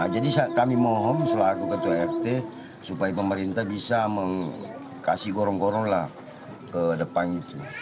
jadi kami mohon selaku ketua lt dua supaya pemerintah bisa mengasih gorong gorong ke depan itu